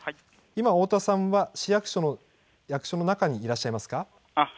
今、太田さんは市役所の役所の中にいらっしゃいますか？